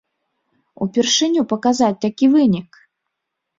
Упершыню паказаць такі вынік!